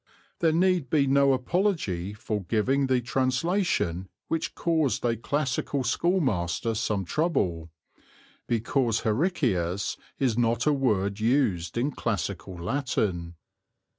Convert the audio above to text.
(There need be no apology for giving the translation which caused a classical schoolmaster some trouble, because hericius is not a word used in classical Latin.)